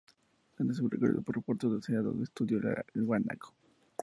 Durante su recorrido por Puerto Deseado estudió al guanaco.